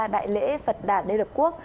đại lễ phật đạt đế đập quốc